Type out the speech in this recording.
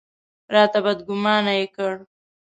راته بدګومانه یې کړ.